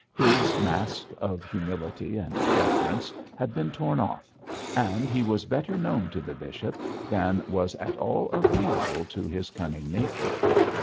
His mask of humility and deference had been torn off, and he was better known to the bishop than was at all agreeable to his cunning nature.